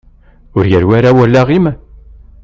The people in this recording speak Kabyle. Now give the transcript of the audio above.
Ur yerwi ara wallaɣ-im?